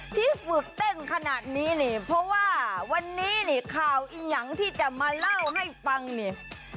ที่ฝึกเต้นขนาดนี้นี่เพราะว่าวันนี้นี่ข่าวอียังที่จะมาเล่าให้ฟังนี่